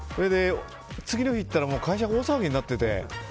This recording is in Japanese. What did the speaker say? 次の日行ったら会社が大騒ぎになってて。